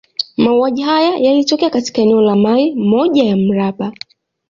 Mauaji haya yalitokea katika eneo la maili moja ya mraba.